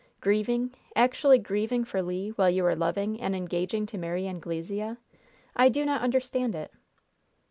Grieving actually grieving for Le, while you are loving and engaging to marry Anglesea? I do not understand it!"